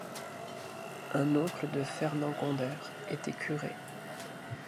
Un oncle de Fernand Gonder était curé.